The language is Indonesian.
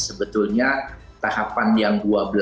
sebetulnya tahapan yang dua